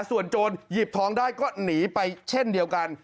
ส่วนโจรหยิบทองได้ก็หนีไปเช่นเดียวกัน